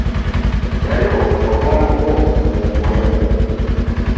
Ddayo obwongo bwo buwummuleko.